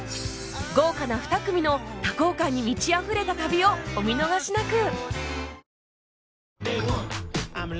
豪華な２組の多幸感に満ちあふれた旅をお見逃しなく